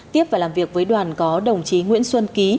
tiếp và làm việc với đoàn có đồng chí nguyễn xuân ký